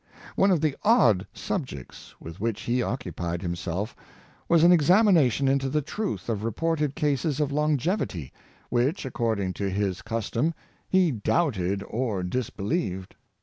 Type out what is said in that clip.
One of the odd subjects with which he occupied himself was an examination into the truth of reported cases of longevity, which, according to his custom, he doubted or disbelieved.